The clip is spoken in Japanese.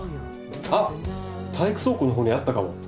あっ体育倉庫のほうにあったかも。